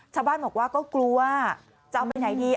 ชาวบ้านบอกว่าก็กลัวจะเอาไปไหนดี